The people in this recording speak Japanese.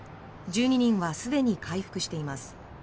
１２人はすでに回復しています。